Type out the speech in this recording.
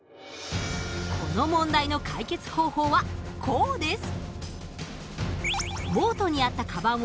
この問題の解決方法はこうです。